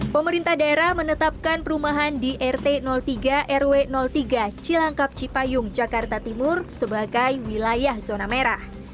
pemerintah daerah menetapkan perumahan di rt tiga rw tiga cilangkap cipayung jakarta timur sebagai wilayah zona merah